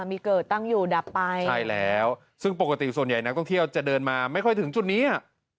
มีเกิดตั้งอยู่ดับไปใช่แล้วซึ่งปกติส่วนใหญ่นักท่องเที่ยวจะเดินมาไม่ค่อยถึงจุดนี้อ่ะ